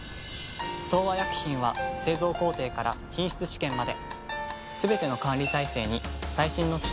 東和薬品は製造工程から品質試験まですべての管理体制に最新の機器や技術を導入。